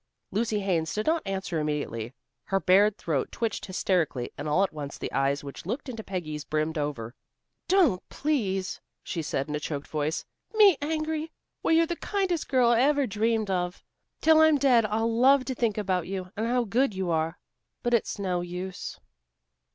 Lucy Haines did not answer immediately. Her bared throat twitched hysterically and all at once the eyes which looked into Peggy's brimmed over. "Don't, please!" she said in a choked voice. "Me angry! Why, you're the kindest girl I ever dreamed of. Till I'm dead I'll love to think about you and how good you are. But it's no use."